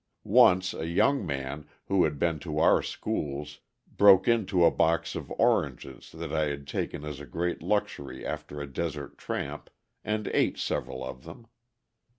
Once a young man, who had been to our schools, broke into a box of oranges that I had taken as a great luxury after a desert tramp, and ate several of them.